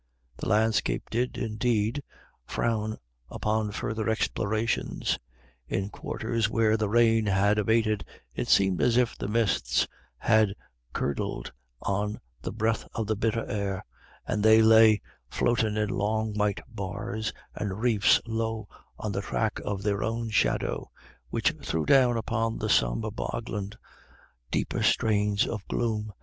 The landscape did, indeed, frown upon further explorations. In quarters where the rain had abated it seemed as if the mists had curdled on the breath of the bitter air, and they lay floating in long white bars and reefs low on the track of their own shadow, which threw down upon the sombre bogland deeper stains of gloom.